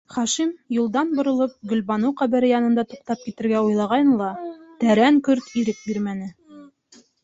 Хашим, юлдан боролоп, Гөлбаныу ҡәбере янында туҡтап китергә уйлағайны ла, тәрән көрт ирек бирмәне.